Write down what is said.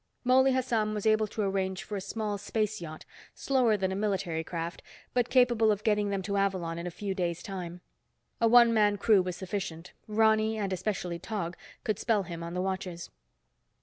Mouley Hassan was able to arrange for a small space yacht, slower than a military craft, but capable of getting them to Avalon in a few days time. A one man crew was sufficient, Ronny, and especially Tog, could spell him on the watches.